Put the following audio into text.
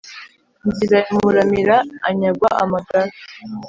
nzira ya muramira anyagwa amagara